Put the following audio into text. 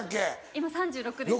今３６です。